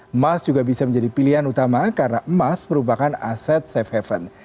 emas juga bisa menjadi pilihan utama karena emas merupakan aset safe haven